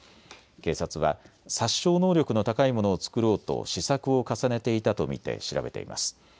警察は殺傷能力の高いものを作ろうと試作を重ねていたと見て調べています。